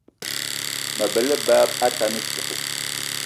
Mabe á lebá atane ísogò